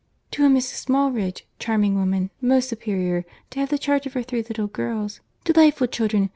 "To a Mrs. Smallridge—charming woman—most superior—to have the charge of her three little girls—delightful children.